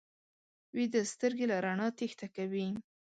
ویده سترګې له رڼا تېښته کوي